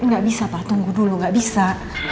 gak bisa pak tunggu dulu gak bisa